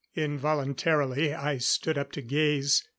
Involuntarily I stood up to gaze.